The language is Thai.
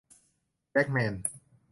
แจ็คแมน